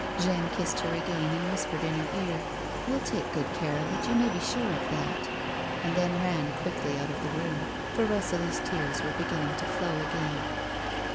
Jeanne kissed her again, and whispered in her ear ;" We'll take good care of it, you may be sure of that," and then ran quickly out of the room, for Rosalie's tears were beginning to flow again.